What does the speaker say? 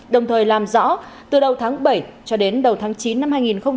đồng thời làm rõ từ đầu tháng bảy cho đến đầu tháng chín năm hai nghìn hai mươi